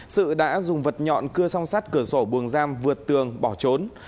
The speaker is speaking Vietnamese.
sự đã dùng vật nhọn cưa song sát cửa sổ buồng giam vượt tường bỏ trốn